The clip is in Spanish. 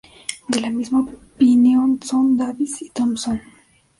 De la misma opinión son Davies y Thompson.